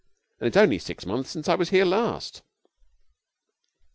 And it's only six months since I was here last.'